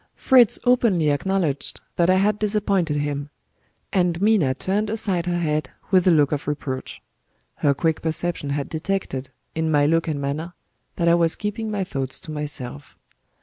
Fritz openly acknowledged that I had disappointed him; and Minna turned aside her head, with a look of reproach. Her quick perception had detected, in my look and manner, that I was keeping my thoughts to myself.